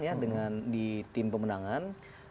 ya dengan di tim pemenangan